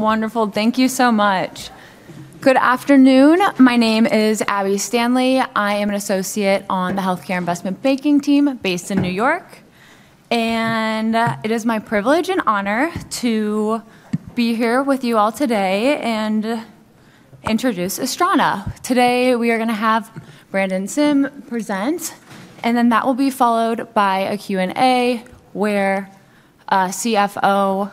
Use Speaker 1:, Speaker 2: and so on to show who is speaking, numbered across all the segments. Speaker 1: Wonderful. Thank you so much. Good afternoon. My name is Abby Stanley. I am an associate on the Healthcare Investment Banking team based in New York, and it is my privilege and honor to be here with you all today and introduce Astrana. Today, we are going to have Brandon Sim present, and then that will be followed by a Q&A where CFO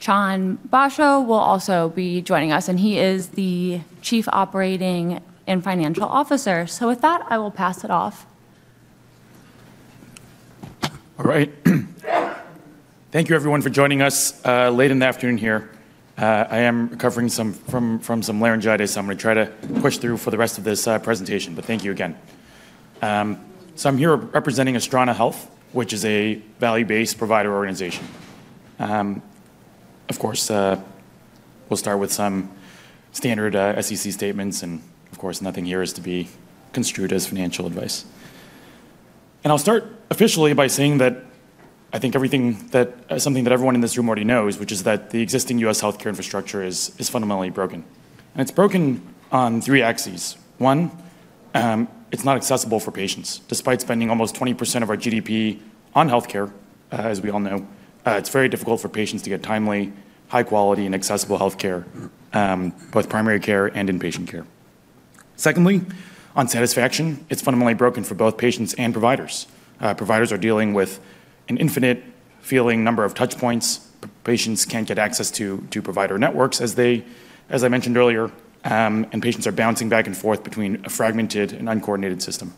Speaker 1: Chan Basho will also be joining us, and he is the Chief Operating and Financial Officer. So with that, I will pass it off.
Speaker 2: All right. Thank you, everyone, for joining us late in the afternoon here. I am recovering from some laryngitis, so I'm going to try to push through for the rest of this presentation, but thank you again, so I'm here representing Astrana Health, which is a value-based provider organization. Of course, we'll start with some standard SEC statements, and of course, nothing here is to be construed as financial advice, and I'll start officially by saying that I think everything that is something that everyone in this room already knows, which is that the existing U.S. healthcare infrastructure is fundamentally broken, and it's broken on three axes. One, it's not accessible for patients. Despite spending almost 20% of our GDP on healthcare, as we all know, it's very difficult for patients to get timely, high-quality, and accessible healthcare, both primary care and inpatient care. Secondly, on satisfaction, it's fundamentally broken for both patients and providers. Providers are dealing with an infinite-seeming number of touchpoints. Patients can't get access to provider networks, as I mentioned earlier, and patients are bouncing back and forth between a fragmented and uncoordinated system,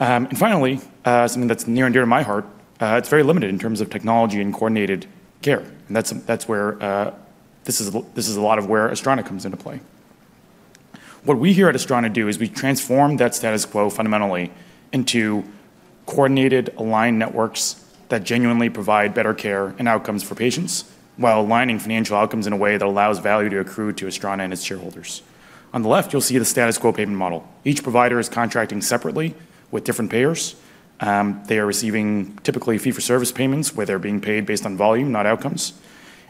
Speaker 2: and finally, something that's near and dear to my heart, it's very limited in terms of technology and coordinated care, and that's where this is a lot of where Astrana comes into play. What we here at Astrana do is we transform that status quo fundamentally into coordinated, aligned networks that genuinely provide better care and outcomes for patients while aligning financial outcomes in a way that allows value to accrue to Astrana and its shareholders. On the left, you'll see the status quo payment model. Each provider is contracting separately with different payers. They are receiving typically fee-for-service payments, where they're being paid based on volume, not outcomes,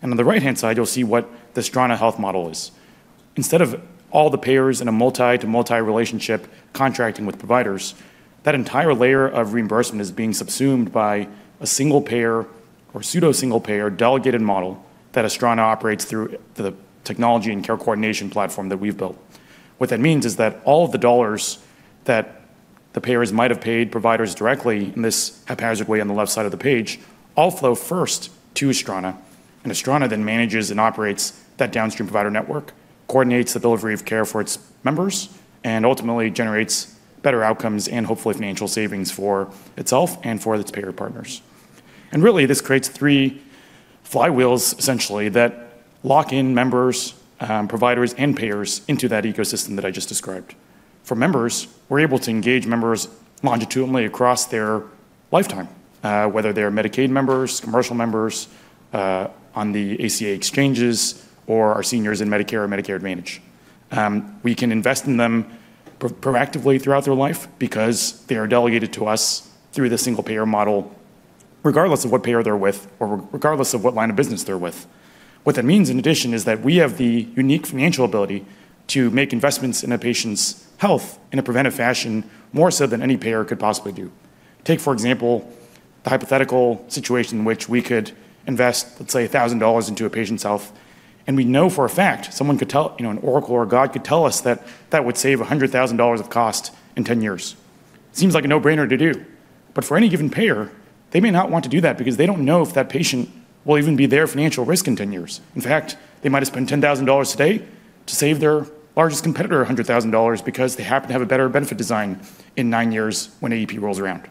Speaker 2: and on the right-hand side, you'll see what the Astrana Health model is. Instead of all the payers in a multi-to-multi relationship contracting with providers, that entire layer of reimbursement is being subsumed by a single payer or pseudo-single payer delegated model that Astrana operates through the technology and care coordination platform that we've built. What that means is that all of the dollars that the payers might have paid providers directly in this haphazard way on the left side of the page all flow first to Astrana, and Astrana then manages and operates that downstream provider network, coordinates the delivery of care for its members, and ultimately generates better outcomes and hopefully financial savings for itself and for its payer partners. And really, this creates three flywheels, essentially, that lock in members, providers, and payers into that ecosystem that I just described. For members, we're able to engage members longitudinally across their lifetime, whether they're Medicaid members, commercial members on the ACA exchanges, or our seniors in Medicare or Medicare Advantage. We can invest in them proactively throughout their life because they are delegated to us through the single payer model, regardless of what payer they're with or regardless of what line of business they're with. What that means, in addition, is that we have the unique financial ability to make investments in a patient's health in a preventive fashion more so than any payer could possibly do. Take, for example, the hypothetical situation in which we could invest, let's say, $1,000 into a patient's health, and we know for a fact someone could tell, you know, an oracle or a God could tell us that that would save $100,000 of cost in 10 years. Seems like a no-brainer to do, but for any given payer, they may not want to do that because they don't know if that patient will even be their financial risk in 10 years. In fact, they might have spent $10,000 today to save their largest competitor $100,000 because they happen to have a better benefit design in nine years when AEP rolls around.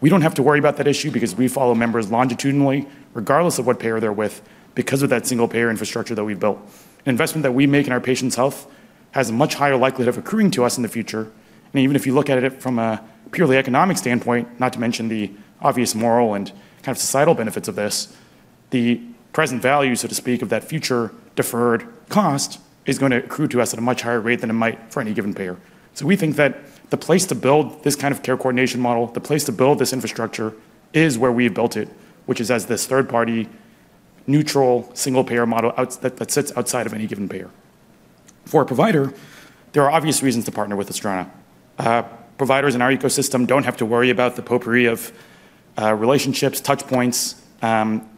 Speaker 2: We don't have to worry about that issue because we follow members longitudinally, regardless of what payer they're with, because of that single payer infrastructure that we've built. An investment that we make in our patient's health has a much higher likelihood of accruing to us in the future, and even if you look at it from a purely economic standpoint, not to mention the obvious moral and kind of societal benefits of this, the present value, so to speak, of that future deferred cost is going to accrue to us at a much higher rate than it might for any given payer. So we think that the place to build this kind of care coordination model, the place to build this infrastructure, is where we've built it, which is as this third-party neutral single payer model that sits outside of any given payer. For a provider, there are obvious reasons to partner with Astrana. Providers in our ecosystem don't have to worry about the potpourri of relationships, touchpoints,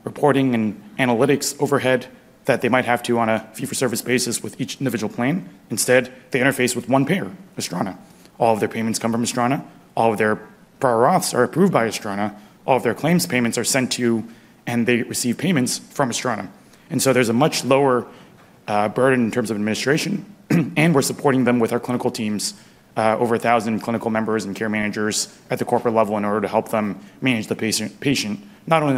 Speaker 2: reporting, and analytics overhead that they might have to on a fee-for-service basis with each individual plan. Instead, they interface with one payer, Astrana. All of their payments come from Astrana. All of their prior auths are approved by Astrana. All of their claims payments are sent to, and they receive payments from Astrana, and so there's a much lower burden in terms of administration, and we're supporting them with our clinical teams, over 1,000 clinical members and care managers at the corporate level in order to help them manage the patient, not only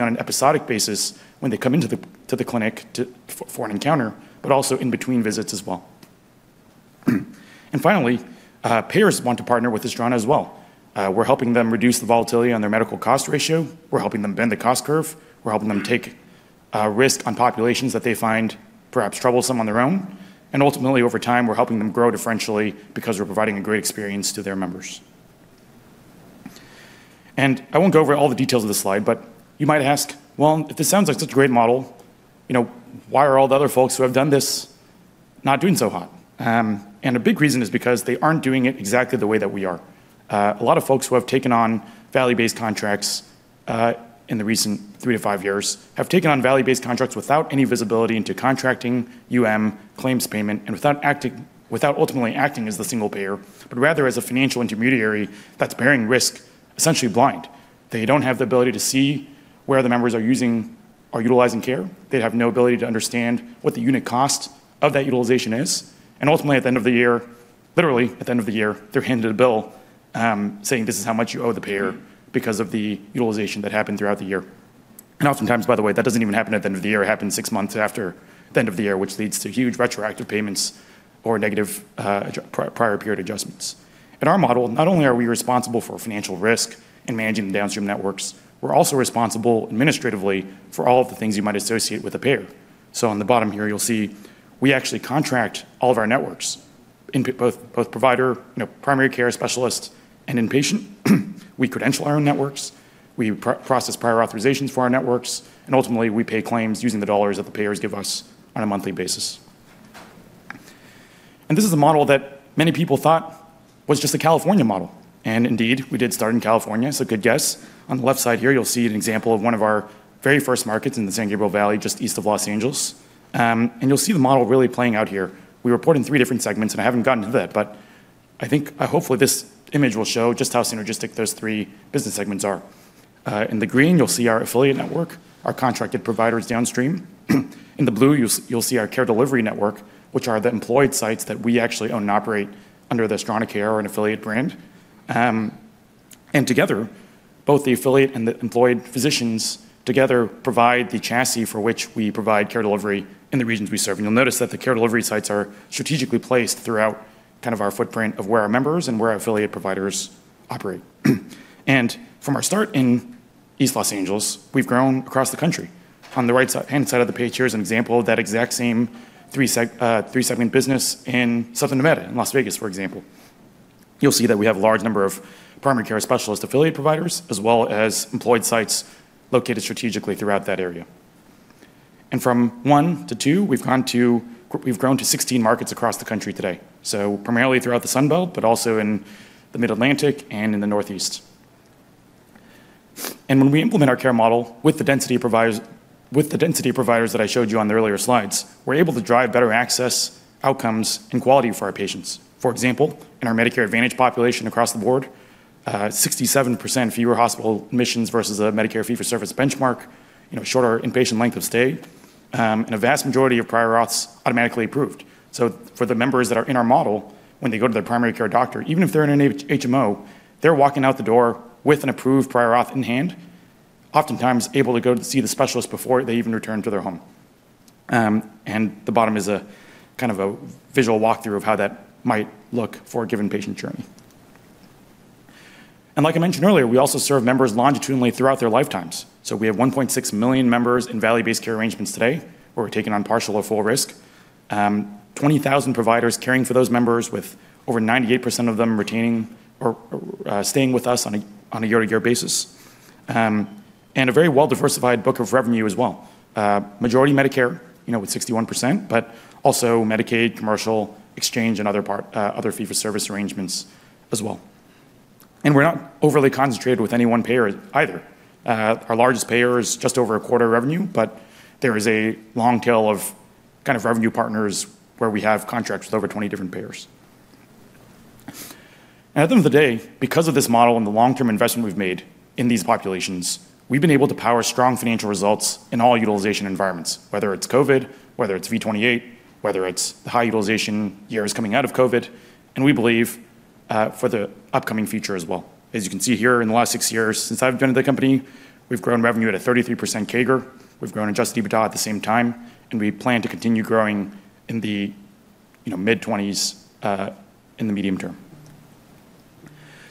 Speaker 2: on an episodic basis when they come into the clinic for an encounter, but also in between visits as well, and finally, payers want to partner with Astrana as well. We're helping them reduce the volatility on their medical cost ratio. We're helping them bend the cost curve. We're helping them take risk on populations that they find perhaps troublesome on their own. And ultimately, over time, we're helping them grow differentially because we're providing a great experience to their members. And I won't go over all the details of the slide, but you might ask, well, if this sounds like such a great model, you know, why are all the other folks who have done this not doing so hot? And a big reason is because they aren't doing it exactly the way that we are. A lot of folks who have taken on value-based contracts in the recent three to five years have taken on value-based contracts without any visibility into contracting, claims payment, and without ultimately acting as the single payer, but rather as a financial intermediary that's bearing risk essentially blind. They don't have the ability to see where the members are utilizing care. They have no ability to understand what the unit cost of that utilization is. And ultimately, at the end of the year, literally at the end of the year, they're handed a bill saying, this is how much you owe the payer because of the utilization that happened throughout the year. And oftentimes, by the way, that doesn't even happen at the end of the year. It happens six months after the end of the year, which leads to huge retroactive payments or negative prior-period adjustments. In our model, not only are we responsible for financial risk and managing the downstream networks, we're also responsible administratively for all of the things you might associate with a payer. So on the bottom here, you'll see we actually contract all of our networks, both provider, you know, primary care specialist and inpatient. We credential our own networks. We process prior authorizations for our networks, and ultimately, we pay claims using the dollars that the payers give us on a monthly basis. And this is a model that many people thought was just a California model. And indeed, we did start in California, so good guess. On the left side here, you'll see an example of one of our very first markets in the San Gabriel Valley, just east of Los Angeles. And you'll see the model really playing out here. We report in three different segments, and I haven't gotten to that, but I think hopefully this image will show just how synergistic those three business segments are. In the green, you'll see our affiliate network, our contracted providers downstream. In the blue, you'll see our care delivery network, which are the employed sites that we actually own and operate under the AstranaCare or an affiliate brand. And together, both the affiliate and the employed physicians together provide the chassis for which we provide care delivery in the regions we serve. And you'll notice that the care delivery sites are strategically placed throughout kind of our footprint of where our members and where our affiliate providers operate. And from our start in East Los Angeles, we've grown across the country. On the right-hand side of the page, here's an example of that exact same three-segment business in Southern Nevada, in Las Vegas, for example. You'll see that we have a large number of primary care specialist affiliate providers, as well as employed sites located strategically throughout that area. From one to two, we've grown to 16 markets across the country today, so primarily throughout the Sun Belt, but also in the Mid-Atlantic and in the Northeast. And when we implement our care model with the density of providers that I showed you on the earlier slides, we're able to drive better access, outcomes, and quality for our patients. For example, in our Medicare Advantage population across the board, 67% fewer hospital admissions versus a Medicare fee-for-service benchmark, you know, shorter inpatient length of stay, and a vast majority of prior auths automatically approved. For the members that are in our model, when they go to their primary care doctor, even if they're in an HMO, they're walking out the door with an approved prior auth in hand, oftentimes able to go see the specialist before they even return to their home. The bottom is a kind of a visual walkthrough of how that might look for a given patient journey. Like I mentioned earlier, we also serve members longitudinally throughout their lifetimes. So we have 1.6 million members in value-based care arrangements today who are taken on partial or full risk, 20,000 providers caring for those members, with over 98% of them retaining or staying with us on a year-to-year basis, and a very well-diversified book of revenue as well. Majority Medicare, you know, with 61%, but also Medicaid, commercial, exchange, and other fee-for-service arrangements as well. We're not overly concentrated with any one payer either. Our largest payer is just over a quarter of revenue, but there is a long tail of kind of revenue partners where we have contracts with over 20 different payers. And at the end of the day, because of this model and the long-term investment we've made in these populations, we've been able to power strong financial results in all utilization environments, whether it's COVID, whether it's V28, whether it's the high utilization years coming out of COVID, and we believe for the upcoming future as well. As you can see here, in the last six years since I've been at the company, we've grown revenue at a 33% CAGR. We've grown Adjusted EBITDA at the same time, and we plan to continue growing in the, you know, mid-20s in the medium term.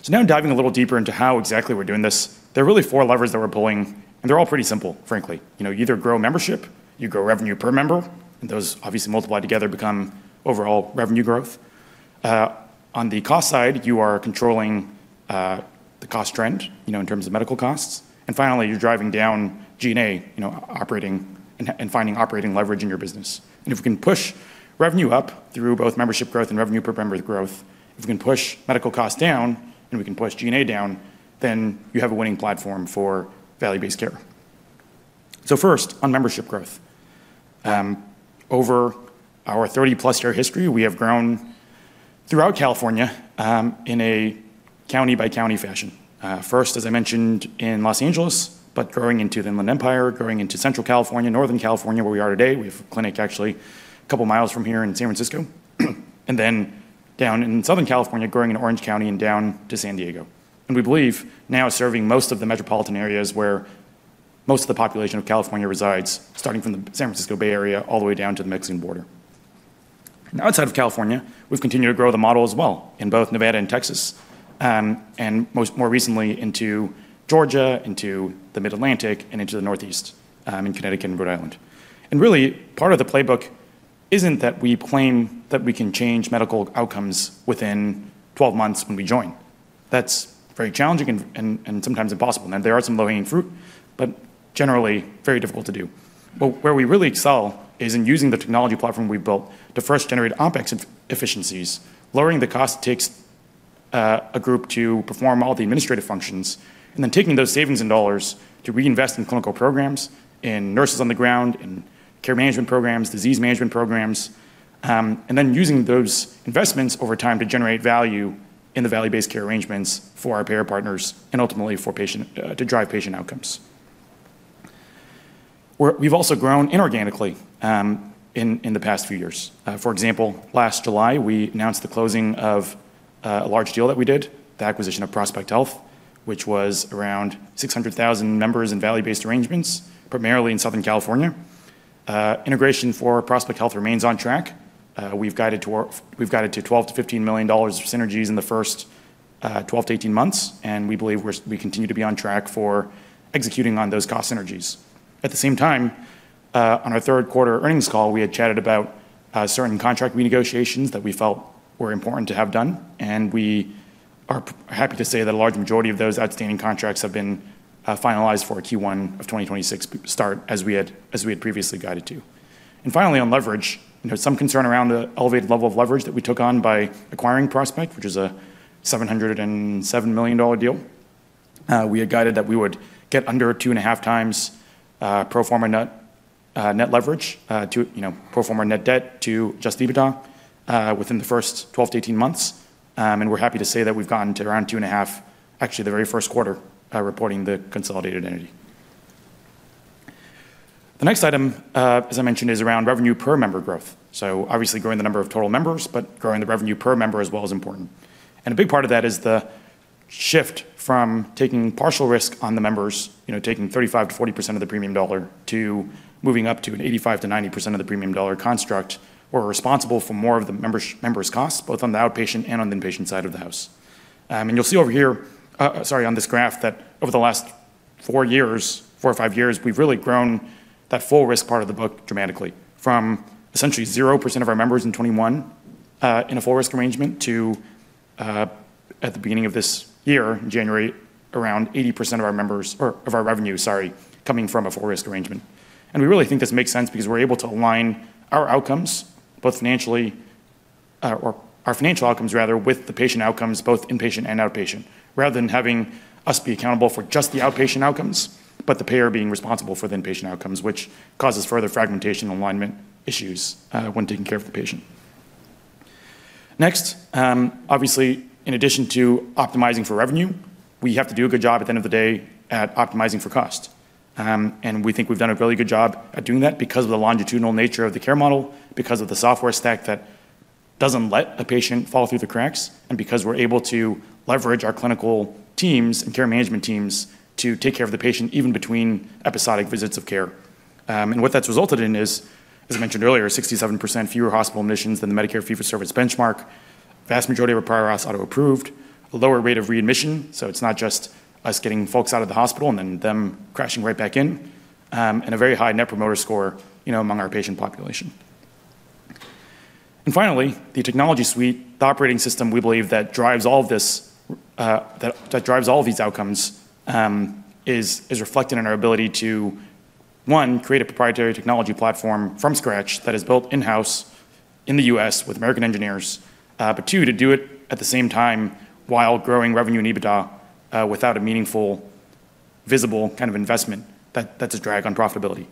Speaker 2: So now diving a little deeper into how exactly we're doing this, there are really four levers that we're pulling, and they're all pretty simple, frankly. You know, you either grow membership, you grow revenue per member, and those obviously multiply together to become overall revenue growth. On the cost side, you are controlling the cost trend, you know, in terms of medical costs, and finally, you're driving down G&A, you know, operating and finding operating leverage in your business, and if we can push revenue up through both membership growth and revenue per member growth, if we can push medical costs down and we can push G&A down, then you have a winning platform for value-based care, so first, on membership growth, over our 30-plus year history, we have grown throughout California in a county-by-county fashion. First, as I mentioned, in Los Angeles, but growing into the Inland Empire, growing into Central California, Northern California, where we are today. We have a clinic actually a couple miles from here in San Francisco, and then down in Southern California, growing in Orange County and down to San Diego. We believe now serving most of the metropolitan areas where most of the population of California resides, starting from the San Francisco Bay Area all the way down to the Mexican border. Outside of California, we've continued to grow the model as well in both Nevada and Texas, and more recently into Georgia, into the Mid-Atlantic, and into the Northeast in Connecticut and Rhode Island. Really, part of the playbook isn't that we claim that we can change medical outcomes within 12 months when we join. That's very challenging and sometimes impossible. There are some low-hanging fruit, but generally very difficult to do. But where we really excel is in using the technology platform we've built to first generate OPEX efficiencies, lowering the cost it takes a group to perform all the administrative functions, and then taking those savings in dollars to reinvest in clinical programs, in nurses on the ground, in care management programs, disease management programs, and then using those investments over time to generate value in the value-based care arrangements for our payer partners and ultimately for patient to drive patient outcomes. We've also grown inorganically in the past few years. For example, last July, we announced the closing of a large deal that we did, the acquisition of Prospect Health, which was around 600,000 members in value-based arrangements, primarily in Southern California. Integration for Prospect Health remains on track. We've guided to $12 million-$15 million of synergies in the first 12-18 months, and we believe we continue to be on track for executing on those cost synergies. At the same time, on our third quarter earnings call, we had chatted about certain contract renegotiations that we felt were important to have done, and we are happy to say that a large majority of those outstanding contracts have been finalized for a Q1 of 2026 start as we had previously guided to. And finally, on leverage, you know, some concern around the elevated level of leverage that we took on by acquiring Prospect, which is a $707 million deal. We had guided that we would get under two and a half times pro forma net leverage, you know, pro forma net debt to Adjusted EBITDA within the first 12 to 18 months, and we're happy to say that we've gotten to around two and a half, actually the very first quarter reporting the consolidated entity. The next item, as I mentioned, is around revenue per member growth, so obviously growing the number of total members, but growing the revenue per member as well is important, and a big part of that is the shift from taking partial risk on the members, you know, taking 35%-40% of the premium dollar to moving up to an 85%-90% of the premium dollar construct, we're responsible for more of the member's costs, both on the outpatient and on the inpatient side of the house. You'll see over here, sorry, on this graph that over the last four years, four or five years, we've really grown that full risk part of the book dramatically, from essentially 0% of our members in 2021 in a full risk arrangement to at the beginning of this year, in January, around 80% of our members or of our revenue, sorry, coming from a full risk arrangement. We really think this makes sense because we're able to align our outcomes, both financially or our financial outcomes, rather, with the patient outcomes, both inpatient and outpatient, rather than having us be accountable for just the outpatient outcomes, but the payer being responsible for the inpatient outcomes, which causes further fragmentation and alignment issues when taking care of the patient. Next, obviously, in addition to optimizing for revenue, we have to do a good job at the end of the day at optimizing for cost. And we think we've done a really good job at doing that because of the longitudinal nature of the care model, because of the software stack that doesn't let a patient fall through the cracks, and because we're able to leverage our clinical teams and care management teams to take care of the patient even between episodic visits of care. And what that's resulted in is, as I mentioned earlier, 67% fewer hospital admissions than the Medicare fee-for-service benchmark, vast majority of our prior auths auto-approved, a lower rate of readmission, so it's not just us getting folks out of the hospital and then them crashing right back in, and a very high Net Promoter Score, you know, among our patient population. And finally, the technology suite, the operating system we believe that drives all of this, that drives all of these outcomes, is reflected in our ability to, one, create a proprietary technology platform from scratch that is built in-house in the U.S. with American engineers, but two, to do it at the same time while growing revenue and EBITDA without a meaningful, visible kind of investment that's a drag on profitability.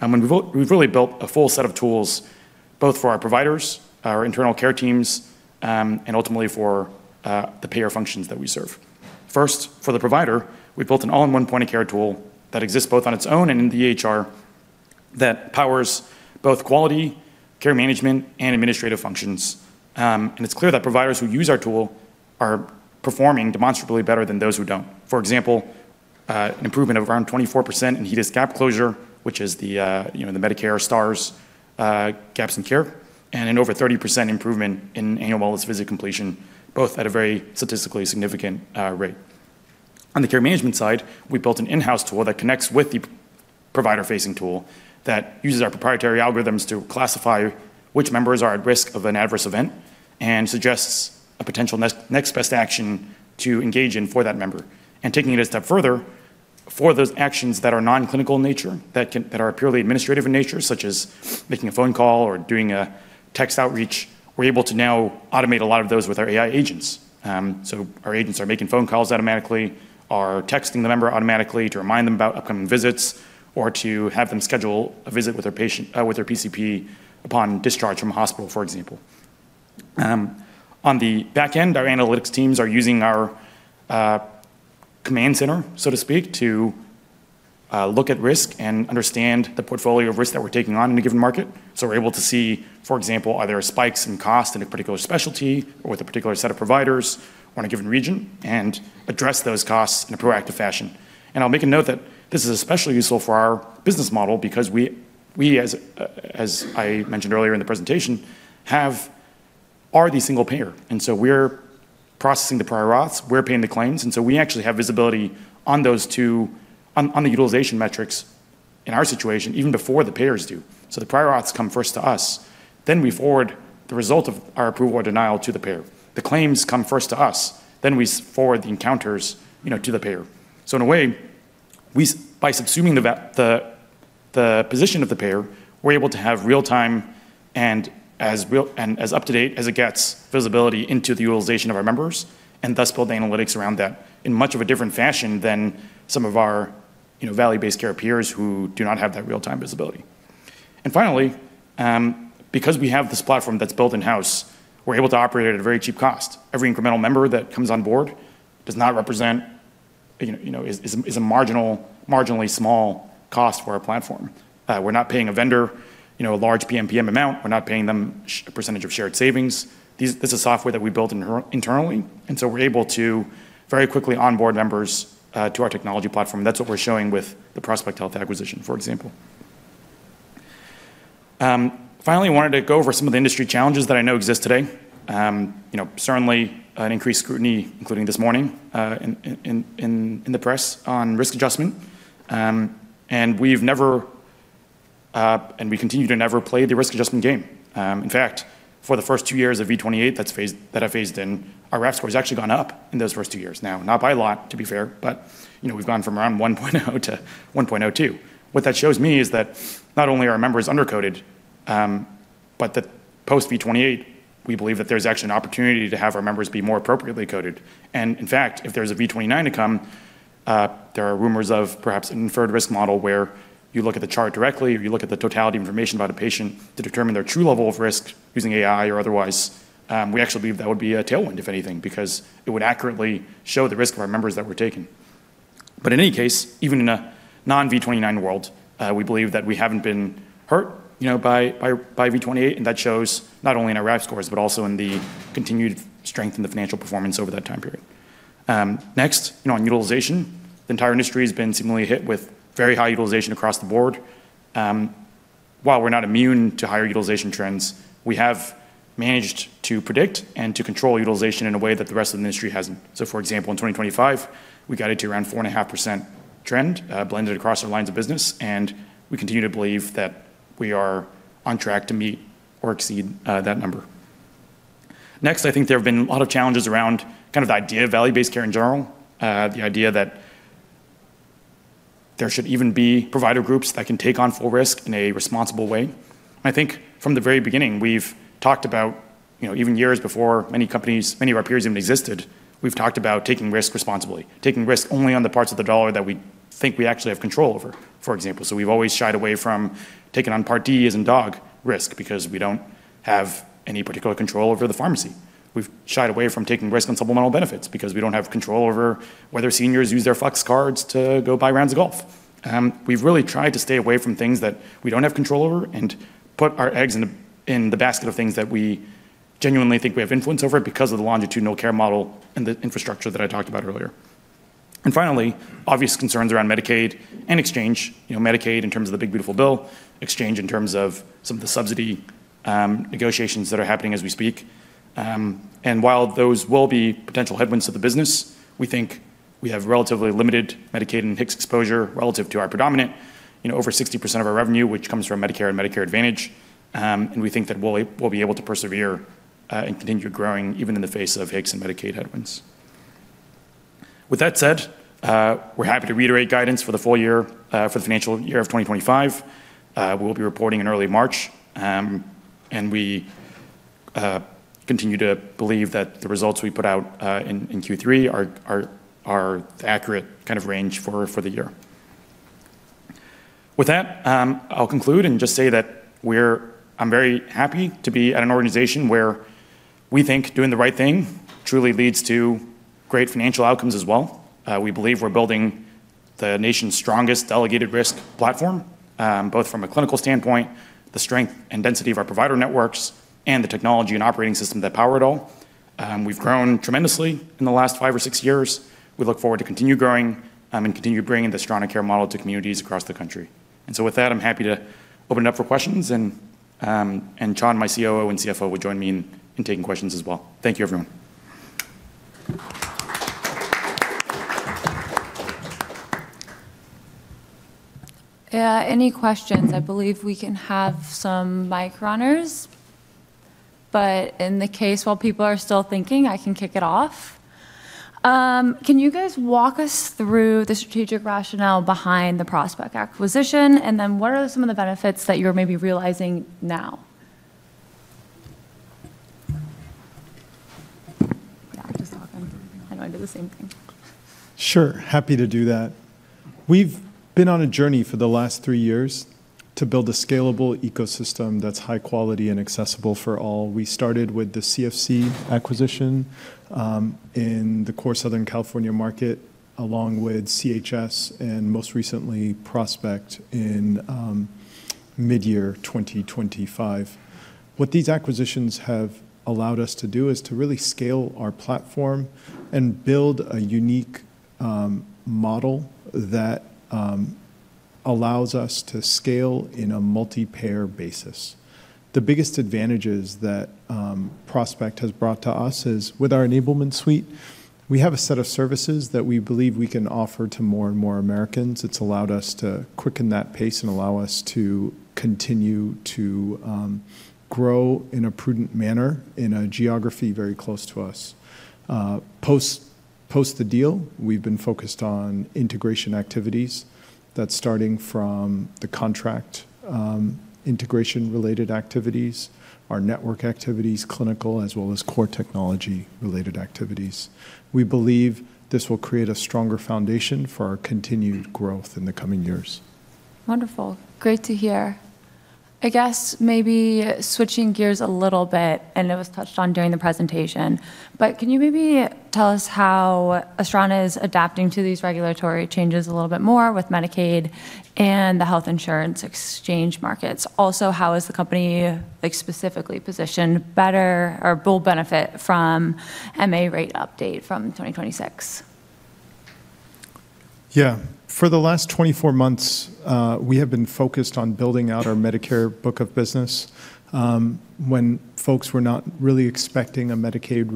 Speaker 2: And we've really built a full set of tools, both for our providers, our internal care teams, and ultimately for the payer functions that we serve. First, for the provider, we built an all-in-one point of care tool that exists both on its own and in the EHR that powers both quality care management and administrative functions. And it's clear that providers who use our tool are performing demonstrably better than those who don't. For example, an improvement of around 24% in HEDIS gap closure, which is, you know, the Medicare Stars gaps in care, and an over 30% improvement in annual wellness visit completion, both at a very statistically significant rate. On the care management side, we built an in-house tool that connects with the provider-facing tool that uses our proprietary algorithms to classify which members are at risk of an adverse event and suggests a potential next best action to engage in for that member, and taking it a step further, for those actions that are non-clinical in nature, that are purely administrative in nature, such as making a phone call or doing a text outreach, we're able to now automate a lot of those with our AI agents. So our agents are making phone calls automatically, are texting the member automatically to remind them about upcoming visits, or to have them schedule a visit with their patient, with their PCP upon discharge from the hospital, for example. On the back end, our analytics teams are using our command center, so to speak, to look at risk and understand the portfolio of risk that we're taking on in a given market. So we're able to see, for example, are there spikes in cost in a particular specialty or with a particular set of providers or in a given region and address those costs in a proactive fashion. And I'll make a note that this is especially useful for our business model because we, as I mentioned earlier in the presentation, are the single payer. And so we're processing the prior auths, we're paying the claims, and so we actually have visibility on those two, on the utilization metrics in our situation, even before the payers do. So the prior auths come first to us, then we forward the result of our approval or denial to the payer. The claims come first to us, then we forward the encounters, you know, to the payer. So in a way, by subsuming the position of the payer, we're able to have real-time and as up-to-date as it gets visibility into the utilization of our members and thus build analytics around that in much of a different fashion than some of our, you know, value-based care peers who do not have that real-time visibility. And finally, because we have this platform that's built in-house, we're able to operate at a very cheap cost. Every incremental member that comes on board does not represent, you know, is a marginally small cost for our platform. We're not paying a vendor, you know, a large PMPM amount. We're not paying them a percentage of shared savings. This is software that we built internally, and so we're able to very quickly onboard members to our technology platform. That's what we're showing with the Prospect Health acquisition, for example. Finally, I wanted to go over some of the industry challenges that I know exist today. You know, certainly an increased scrutiny, including this morning in the press on risk adjustment. And we've never, and we continue to never play the risk adjustment game. In fact, for the first two years of V28 that I phased in, our RAF score has actually gone up in those first two years. Now, not by a lot, to be fair, but, you know, we've gone from around 1.0 to 1.02. What that shows me is that not only are our members undercoded, but that post V28, we believe that there's actually an opportunity to have our members be more appropriately coded. And in fact, if there's a V29 to come, there are rumors of perhaps an inferred risk model where you look at the chart directly or you look at the totality of information about a patient to determine their true level of risk using AI or otherwise. We actually believe that would be a tailwind, if anything, because it would accurately show the risk of our members that were taken. But in any case, even in a non-V29 world, we believe that we haven't been hurt, you know, by V28, and that shows not only in our RAF scores, but also in the continued strength in the financial performance over that time period. Next, you know, on utilization, the entire industry has been seemingly hit with very high utilization across the board. While we're not immune to higher utilization trends, we have managed to predict and to control utilization in a way that the rest of the industry hasn't. So, for example, in 2025, we got it to around 4.5% trend blended across our lines of business, and we continue to believe that we are on track to meet or exceed that number. Next, I think there have been a lot of challenges around kind of the idea of value-based care in general, the idea that there should even be provider groups that can take on full risk in a responsible way. I think from the very beginning, we've talked about, you know, even years before many companies, many of our peers even existed, we've talked about taking risk responsibly, taking risk only on the parts of the dollar that we think we actually have control over, for example. So we've always shied away from taking on Part D as in dog risk because we don't have any particular control over the pharmacy. We've shied away from taking risk on supplemental benefits because we don't have control over whether seniors use their Flex Cards to go buy rounds of golf. We've really tried to stay away from things that we don't have control over and put our eggs in the basket of things that we genuinely think we have influence over because of the longitudinal care model and the infrastructure that I talked about earlier. And finally, obvious concerns around Medicaid and exchange, you know, Medicaid in terms of the big beautiful bill, exchange in terms of some of the subsidy negotiations that are happening as we speak. And while those will be potential headwinds to the business, we think we have relatively limited Medicaid and HIX exposure relative to our predominant, you know, over 60% of our revenue, which comes from Medicare and Medicare Advantage. And we think that we'll be able to persevere and continue growing even in the face of HIX and Medicaid headwinds. With that said, we're happy to reiterate guidance for the full year, for the financial year of 2025. We will be reporting in early March, and we continue to believe that the results we put out in Q3 are the accurate kind of range for the year. With that, I'll conclude and just say that we're, I'm very happy to be at an organization where we think doing the right thing truly leads to great financial outcomes as well. We believe we're building the nation's strongest delegated risk platform, both from a clinical standpoint, the strength and density of our provider networks, and the technology and operating system that power it all. We've grown tremendously in the last five or six years. We look forward to continue growing and continue bringing the AstranaCare model to communities across the country. And so with that, I'm happy to open it up for questions, and Chan, my COO and CFO, will join me in taking questions as well. Thank you, everyone.
Speaker 1: Yeah, any questions? I believe we can have some mic runners, but in the case, while people are still thinking, I can kick it off. Can you guys walk us through the strategic rationale behind the Prospect acquisition, and then what are some of the benefits that you're maybe realizing now? Yeah, just talking. I know I did the same thing.
Speaker 3: Sure, happy to do that. We've been on a journey for the last three years to build a scalable ecosystem that's high quality and accessible for all. We started with the CFC acquisition in the core Southern California market, along with CHS and most recently Prospect in mid-year 2025. What these acquisitions have allowed us to do is to really scale our platform and build a unique model that allows us to scale in a multi-payer basis. The biggest advantages that Prospect has brought to us is with our enablement suite, we have a set of services that we believe we can offer to more and more Americans. It's allowed us to quicken that pace and allow us to continue to grow in a prudent manner in a geography very close to us. Post the deal, we've been focused on integration activities that's starting from the contract integration-related activities, our network activities, clinical, as well as core technology-related activities. We believe this will create a stronger foundation for our continued growth in the coming years.
Speaker 1: Wonderful. Great to hear. I guess maybe switching gears a little bit, and it was touched on during the presentation, but can you maybe tell us how Astrana is adapting to these regulatory changes a little bit more with Medicaid and the health insurance exchange markets? Also, how is the company specifically positioned better or will benefit from MA rate update from 2026?
Speaker 3: Yeah, for the last 24 months, we have been focused on building out our Medicare book of business. When folks were not really expecting a Medicaid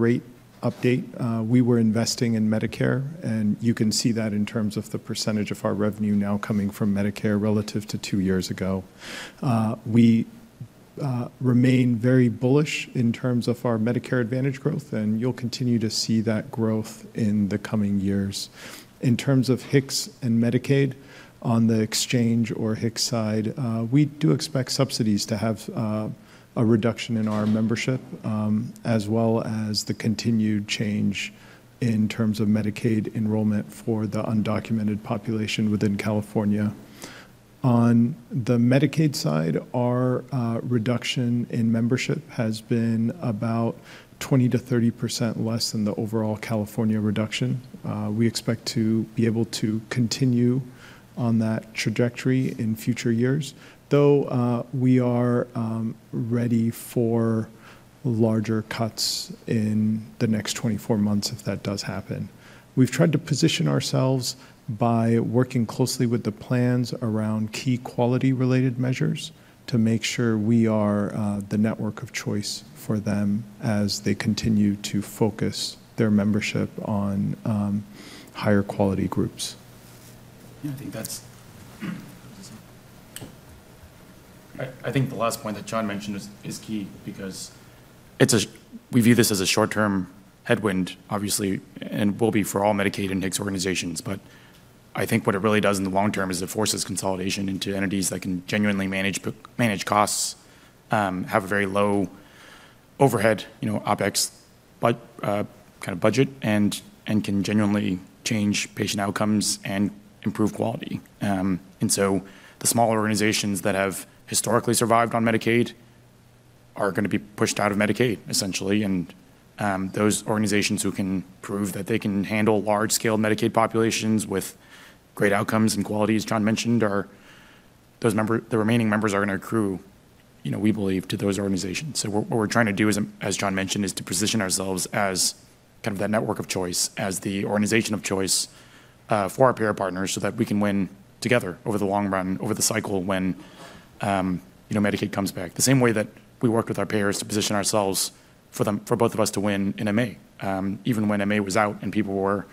Speaker 3: rate update, we were investing in Medicare, and you can see that in terms of the percentage of our revenue now coming from Medicare relative to two years ago. We remain very bullish in terms of our Medicare Advantage growth, and you'll continue to see that growth in the coming years. In terms of HIX and Medicaid on the exchange or HIX side, we do expect subsidies to have a reduction in our membership, as well as the continued change in terms of Medicaid enrollment for the undocumented population within California. On the Medicaid side, our reduction in membership has been about 20%-30% less than the overall California reduction. We expect to be able to continue on that trajectory in future years, though we are ready for larger cuts in the next 24 months if that does happen. We've tried to position ourselves by working closely with the plans around key quality-related measures to make sure we are the network of choice for them as they continue to focus their membership on higher quality groups.
Speaker 2: Yeah, I think that's. I think the last point that Chan mentioned is key because we view this as a short-term headwind, obviously, and will be for all Medicaid and HIX organizations. But I think what it really does in the long term is it forces consolidation into entities that can genuinely manage costs, have a very low overhead, you know, OPEX kind of budget, and can genuinely change patient outcomes and improve quality. And so the smaller organizations that have historically survived on Medicaid are going to be pushed out of Medicaid, essentially. And those organizations who can prove that they can handle large-scale Medicaid populations with great outcomes and qualities, Chan mentioned, are those members, the remaining members are going to accrue, you know, we believe, to those organizations. So what we're trying to do, as Chan mentioned, is to position ourselves as kind of that network of choice, as the organization of choice for our payer partners so that we can win together over the long run, over the cycle when, you know, Medicaid comes back. The same way that we worked with our payers to position ourselves for both of us to win in MA. Even when MA was out and people were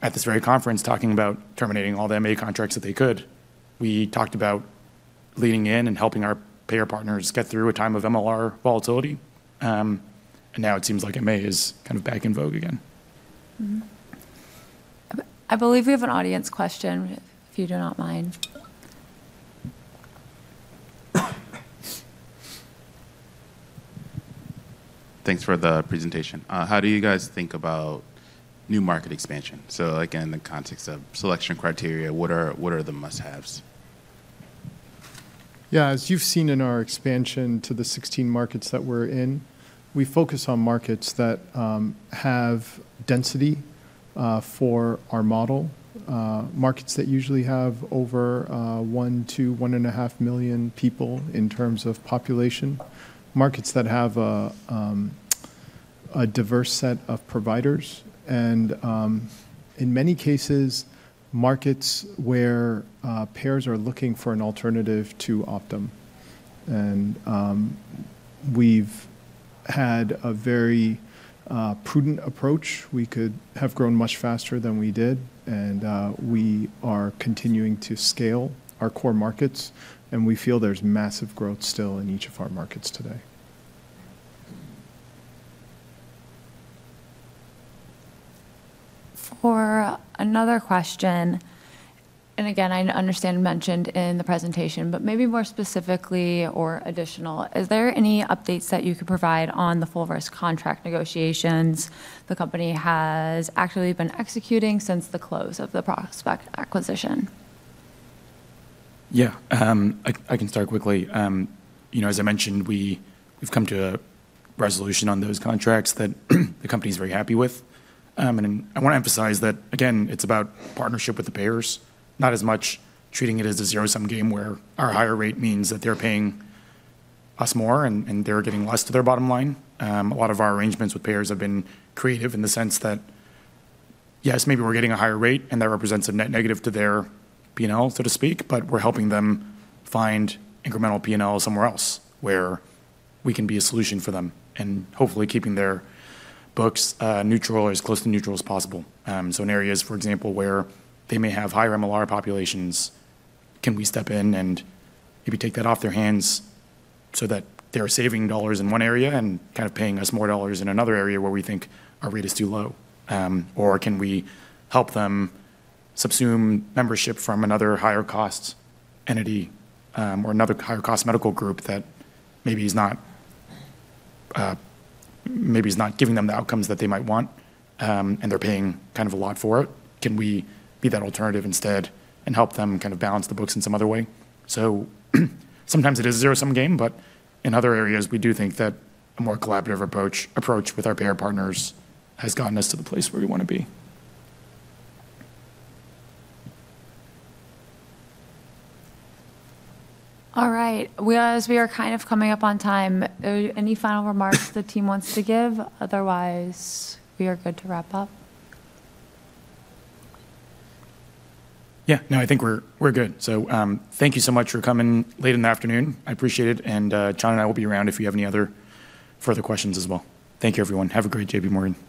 Speaker 2: at this very conference talking about terminating all the MA contracts that they could, we talked about leaning in and helping our payer partners get through a time of MLR volatility. And now it seems like MA is kind of back in vogue again.
Speaker 1: I believe we have an audience question, if you do not mind. Thanks for the presentation. How do you guys think about new market expansion? So again, in the context of selection criteria, what are the must-haves?
Speaker 3: Yeah, as you've seen in our expansion to the 16 markets that we're in, we focus on markets that have density for our model, markets that usually have over one, two, one and a half million people in terms of population, markets that have a diverse set of providers, and in many cases, markets where payers are looking for an alternative to Optum. And we've had a very prudent approach. We could have grown much faster than we did, and we are continuing to scale our core markets, and we feel there's massive growth still in each of our markets today.
Speaker 1: For another question, and again, I understand mentioned in the presentation, but maybe more specifically or additional, is there any updates that you could provide on the full risk contract negotiations the company has actually been executing since the close of the Prospect acquisition?
Speaker 2: Yeah, I can start quickly. You know, as I mentioned, we've come to a resolution on those contracts that the company is very happy with, and I want to emphasize that, again, it's about partnership with the payers, not as much treating it as a zero-sum game where our higher rate means that they're paying us more and they're getting less to their bottom line. A lot of our arrangements with payers have been creative in the sense that, yes, maybe we're getting a higher rate and that represents a net negative to their P&L, so to speak, but we're helping them find incremental P&L somewhere else where we can be a solution for them and hopefully keeping their books neutral or as close to neutral as possible. So in areas, for example, where they may have higher MLR populations, can we step in and maybe take that off their hands so that they're saving dollars in one area and kind of paying us more dollars in another area where we think our rate is too low? Or can we help them subsume membership from another higher-cost entity or another higher-cost medical group that maybe is not giving them the outcomes that they might want and they're paying kind of a lot for it? Can we be that alternative instead and help them kind of balance the books in some other way? So sometimes it is a zero-sum game, but in other areas, we do think that a more collaborative approach with our payer partners has gotten us to the place where we want to be.
Speaker 1: All right, as we are kind of coming up on time, any final remarks the team wants to give? Otherwise, we are good to wrap up.
Speaker 2: Yeah, no, I think we're good. So thank you so much for coming late in the afternoon. I appreciate it. And Chan and I will be around if you have any other further questions as well. Thank you, everyone. Have a great day, everyone.